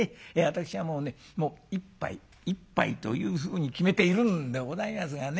私はもうね一杯一杯というふうに決めているんでございますがね